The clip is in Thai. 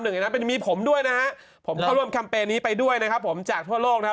อย่างนั้นมีผมด้วยนะฮะผมเข้าร่วมแคมเปญนี้ไปด้วยนะครับผมจากทั่วโลกนะครับ